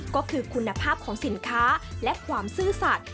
ก็คือคุณภาพของสินค้าและความซื่อสัตว